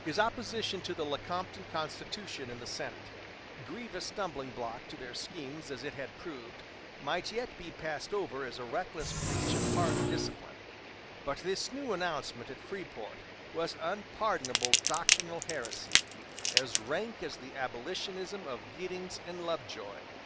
His opposition to the Lecompton Constitution in the Senate, grievous stumbling block to their schemes as it had proved, might yet be passed over as a reckless breach of party discipline; but this new announcement at Freeport was unpardonable doctrinal heresy, as rank as the abolitionism of Giddings and Lovejoy.